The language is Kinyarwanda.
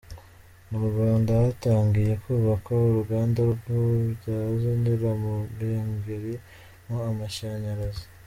Mu Rwanda hatangiye kubakwa uruganda rubyaza nyiramugengeli mo amashyanyarazi.